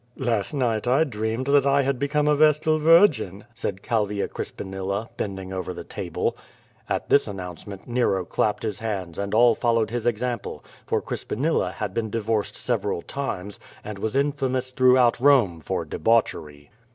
"Last night I dreamed that I had become a vestal virgin," said Calvia Crispinilla, bending over the table. At this announcement Nero clapped his hands and all followed his example, for Crispinilla had been divorced sev eral times and was infamous throughout Rome for de bauchery.